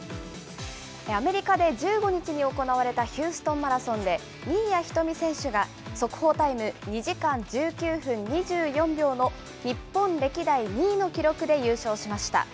アメリカで１５日に行われたヒューストンマラソンで、新谷仁美選手が速報タイム２時間１９分２４秒の、日本歴代２位の記録で優勝しました。